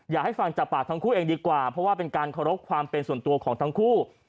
อยากให้ฟังจากปากทั้งคู่เองดีกว่าเพราะว่าเป็นการเคารพความเป็นส่วนตัวของทั้งคู่